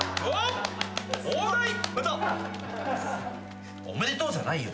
おめでとうじゃないよ。